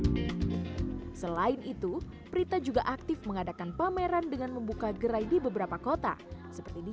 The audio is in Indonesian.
hai selain itu perite juga aktif mengadakan pameran dengan membuka gerai di beberapa kota seperti di